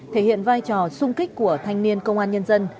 thể hiện vai trò sung kích của thanh niên công an nhân dân